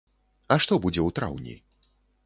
А што будзе ў траўні?